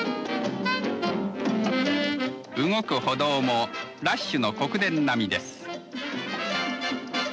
動く歩道もラッシュの国電並みです。